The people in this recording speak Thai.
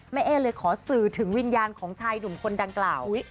เอ๊เลยขอสื่อถึงวิญญาณของชายหนุ่มคนดังกล่าว